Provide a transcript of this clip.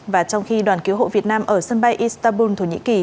và trong khi đoàn cứu hộ việt nam ở sân bay istanbul thổ nhĩ kỳ